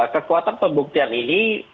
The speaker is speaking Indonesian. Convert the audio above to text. kekuatan pembuktian ini